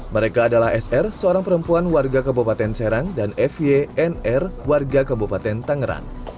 mereka adalah sr seorang perempuan warga kabupaten serang dan f ynr warga kabupaten tangerang